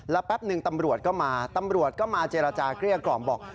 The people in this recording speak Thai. แล้วแป๊บหนึ่งตำรวจก็มาเจรจากเรียกกล่อมบอก